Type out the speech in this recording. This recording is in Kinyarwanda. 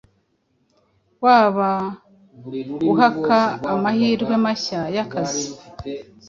Waba uhaka amahirwe mahya yakazi,